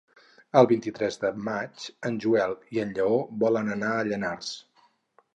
El vint-i-tres de maig en Joel i en Lleó volen anar a Llanars.